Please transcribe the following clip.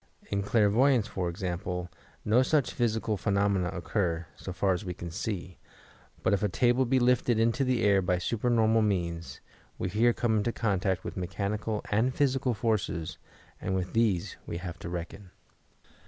In clairvoyance, for example, no such physical phenomeoA occur, so far as we can see; but if a table be lifted into the air by supernormal means, we here come into contact with mechanical and physical forces and with these we have to reckon.